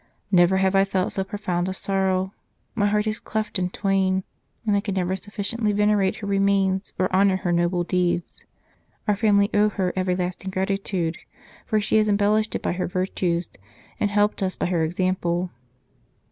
Never have I felt so profound a sorrow ; my heart is cleft in twain, and I can never sufficiently venerate her remains or honour her noble deeds. Our family owe her everlasting gratitude, for she has embel lished it by her virtues and helped us by her example.